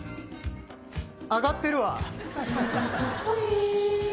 上がってるわ。